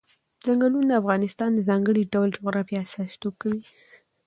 چنګلونه د افغانستان د ځانګړي ډول جغرافیه استازیتوب کوي.